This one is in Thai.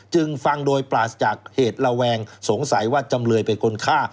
จึงฟังโดยปราศจากเหตุระแวงสงสัยว่าจำเลยเป็นคนฆ่า